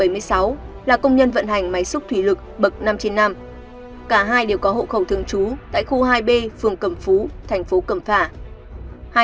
máy xúc thủy lực bậc năm trên năm cả hai đều có hộ khẩu thương trú tại khu hai b phường cẩm phú thành phố cẩm phả